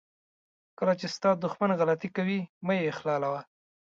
کله چې ستا دښمن غلطي کوي مه یې اخلالوه.